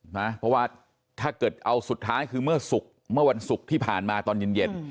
เพราะว่าถ้าเกิดเอาสุดท้ายคือเมื่อศุกร์เมื่อวันศุกร์ที่ผ่านมาตอนเย็น